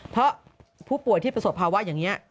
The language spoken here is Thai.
เพราะผู้ป่วยที่ประสบภาวะอย่างนี้